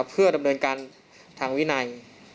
เพื่อดำเนินการทางวินัย